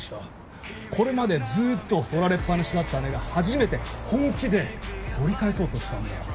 これまでずっと取られっ放しだった姉が初めて本気で取り返そうとしたんだ。